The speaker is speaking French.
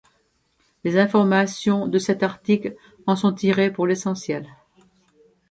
Les informations de cet article en sont tirées pour l'essentiel.